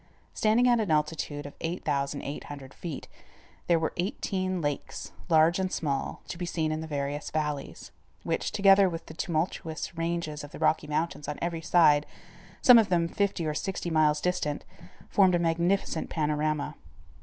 Standing at an altitude of 8800 feet, there were eighteen lakes, large and small, to be seen in the various valleys, which, together with the tumultuous ranges of the Rocky Mountains on every side, some of them fifty or sixty miles distant, formed a magnificent panorama.